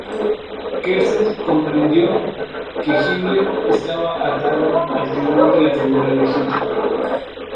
Kersten comprendió que Himmler estaba atado al temor de la figura de Hitler.